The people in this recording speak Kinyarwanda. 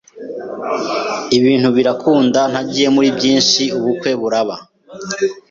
ibintu birakunda ntagiye muri byinshi ubukwe buraba